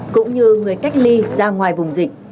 cũng như người cách ly ra ngoài vùng dịch